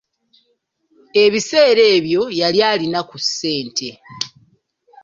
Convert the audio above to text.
Ebiseera ebyo yali alina ku ssente.